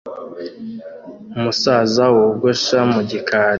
Umusaza wogosha mu gikari